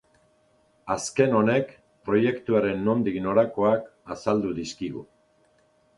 Azken honek proiektuaren nondik norakoak azaldu dizkigu.